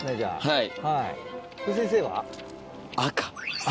はい。